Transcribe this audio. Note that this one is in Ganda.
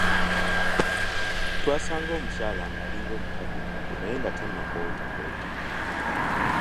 Twasanga omukyala ng’alinga omukaddekadde naye nga tannakoootakoota.